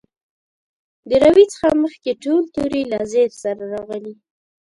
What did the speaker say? د روي څخه مخکې ټول توري له زېر سره راغلي.